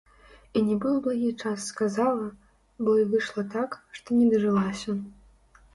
І нібы ў благі час сказала, бо і выйшла так, што не дажылася.